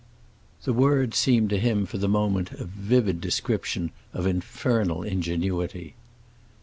The words seemed to him for the moment a vivid description of infernal ingenuity.